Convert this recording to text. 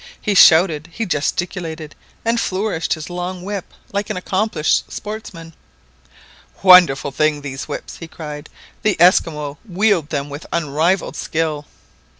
He shouted, he gesticulated, and flourished his long whip like an accomplished sportsman. "Wonderful things these whips!" he cried; "the Esquimaux wield them with unrivalled skill